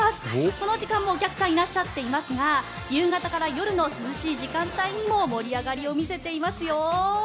この時間もお客さんいらっしゃっていますが夕方から夜の涼しい時間帯にも盛り上がりを見せていますよ。